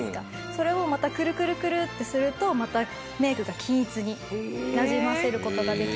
それをまたくるくるくるってするとまたメイクが均一になじませる事ができます。